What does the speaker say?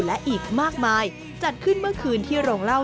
และอีกมากมายจัดขึ้นเมื่อคืนที่โรงเล่า